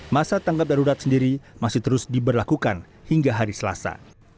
masa tanggap darurat sendiri masih terus diberlakukan hingga hari selasa